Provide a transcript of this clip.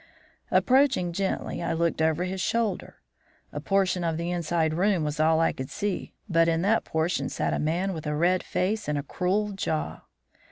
"Approaching gently, I looked over his shoulder. A portion of the inside room was all I could see, but in that portion sat a man with a red face and a cruel jaw.